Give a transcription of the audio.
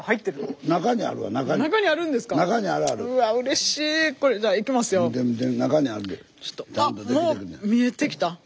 え見えてきた。